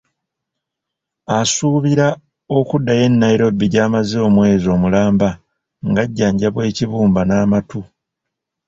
Asuubira okuddayo e Nairobi gy’amaze omwezi omulamba ng’ajjanjabwa ekibumba n’amatu.